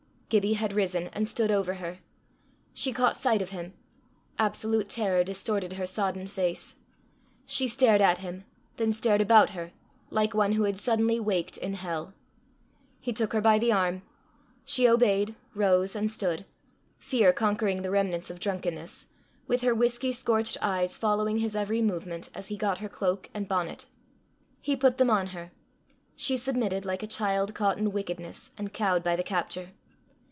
Gibbie had risen and stood over her. She caught sight of him; absolute terror distorted her sodden face; she stared at him, then stared about her, like one who had suddenly waked in hell. He took her by the arm. She obeyed, rose, and stood, fear conquering the remnants of drunkenness, with her whisky scorched eyes following his every movement, as he got her cloak and bonnet. He put them on her. She submitted like a child caught in wickedness, and cowed by the capture.